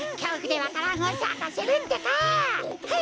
はい！